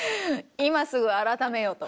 「今すぐ改めよ」と。